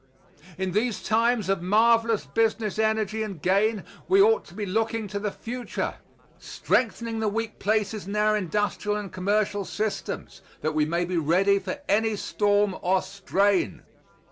In these times of marvelous business energy and gain we ought to be looking to the future, strengthening the weak places in our industrial and commercial systems, that we may be ready for any storm or strain.